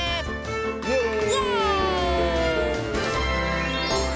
イエーイ！